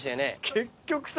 結局さ。